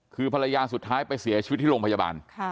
คือภรรยาสุดท้ายไปเสียชีวิตที่โรงพยาบาล